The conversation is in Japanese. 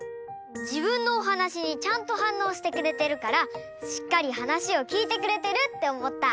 じぶんのお話にちゃんとはんのうしてくれてるからしっかり話を聞いてくれてるっておもった！